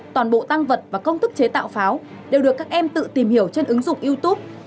toàn bộ tăng vật và công thức chế tạo pháo đều được các em tự tìm hiểu trên ứng dụng youtube